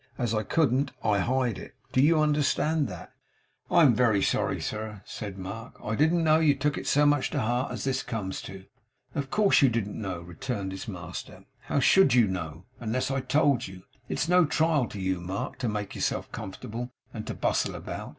As I couldn't I hide it. Do you understand that?' 'I am very sorry, sir,' said Mark. 'I didn't know you took it so much to heart as this comes to.' 'Of course you didn't know,' returned his master. 'How should you know, unless I told you? It's no trial to you, Mark, to make yourself comfortable and to bustle about.